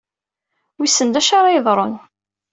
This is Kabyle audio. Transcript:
Wissen d acu ara yeḍrun.